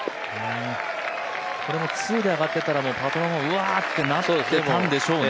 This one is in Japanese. これも２で上がってたらパトロンもうわーってなってたんでしょうね。